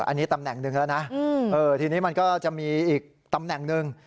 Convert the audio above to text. อันนี้ตำแหน่งหนึ่งแล้วนะทีนี้มันก็จะมีอีกตำแหน่งหนึ่ง